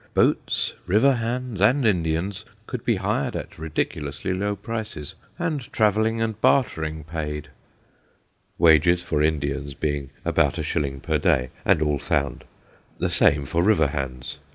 Boats, river hands, and Indians could be hired at ridiculously low prices, and travelling and bartering paid; wages for Indians being about a shilling per day, and all found; the same for river hands.